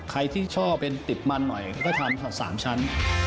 ใครที่ชอบเป็นติดมันหน่อยเขาก็ทำ๓ชั้น